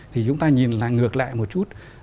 thì chúng ta nhìn là ngược lại một chút